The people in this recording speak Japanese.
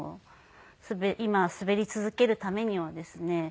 今滑り続けるためにはですね